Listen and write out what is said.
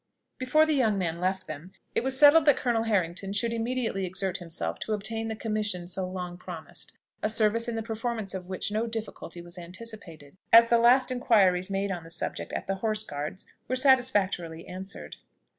Before the young man left them, it was settled that Colonel Harrington should immediately exert himself to obtain the commission so long promised; a service in the performance of which no difficulty was anticipated, as the last inquiries made on the subject at the Horse Guards were satisfactorily answered.